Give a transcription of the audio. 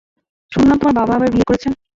শুনলাম তোমার বাবা আবার বিয়ে করছেন।